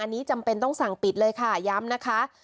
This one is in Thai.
อันนี้จำเป็นต้องสั่งปิดเลยค่ะย้ำนะคะ